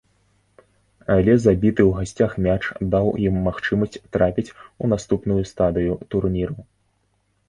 Але забіты ў гасцях мяч даў ім магчымасць трапіць у наступную стадыю турніру.